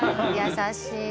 優しい！